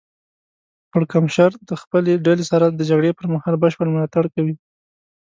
پړکمشر د خپلې ډلې سره د جګړې پر مهال بشپړ ملاتړ کوي.